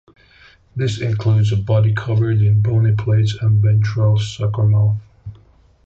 This includes a body covered in bony plates and a ventral suckermouth.